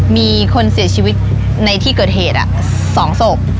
มีคนเสียชีวิตในที่เกิดเหตุ๒ศพ